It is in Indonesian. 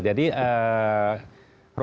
itu ada sangat steril